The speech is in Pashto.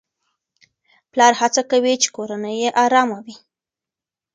پلار هڅه کوي چې کورنۍ يې آرامه وي.